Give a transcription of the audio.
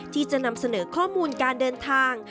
ที่จะนำเสนอข้อมูลการเดินทาง